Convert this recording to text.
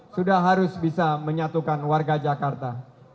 sudah harus bisa menyatukan warga jakarta